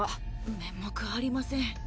面目ありません。